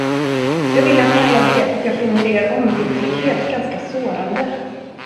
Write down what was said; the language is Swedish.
Jag vill att ni alla vet att jag finner er ombytlighet ganska sårande.